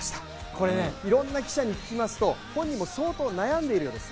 これ、いろんな記者に聞きますと本人も相当悩んでいるようです。